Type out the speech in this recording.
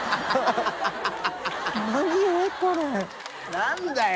何だよ。